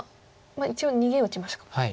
一応逃げ打ちましょうか。